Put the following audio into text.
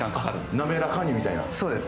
滑らかにみたいな。